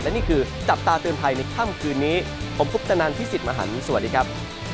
และนี่คือจับตาเตือนภัยในค่ำคืนนี้ผมคุปตนันพี่สิทธิ์มหันฯสวัสดีครับ